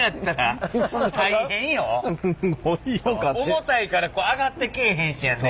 重たいから上がってけえへんしやね。